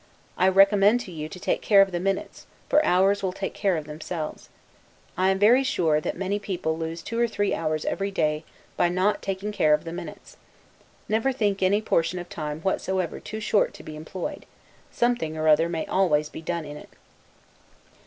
I recommend to you to take care of the minutes; for hours will take care of themselves. I am very sure, that many people lose two or three hours every day, by not taking care of the minutes. Never think any portion of time whatsoever too short to be employed; something or other may always be done in it.